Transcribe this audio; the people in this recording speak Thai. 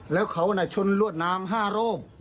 แล้วเขาชนรวดน้ำ๕รอบ